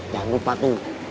jangan lupa tuh